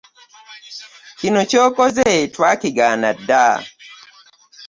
Kino ky'okoze twakigaana dda.